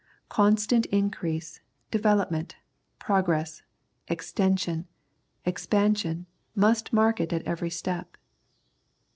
Constant increase, develop ment, progress, extension, expansion, must mark it at every step.